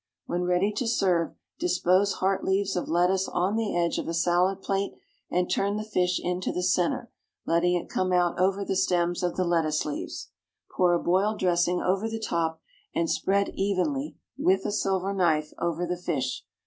When ready to serve, dispose heart leaves of lettuce on the edge of a salad plate, and turn the fish into the centre, letting it come out over the stems of the lettuce leaves. Pour a boiled dressing over the top, and spread evenly (with a silver knife) over the fish.